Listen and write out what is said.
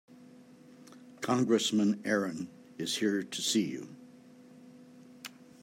Congressman Aaron is here to see you.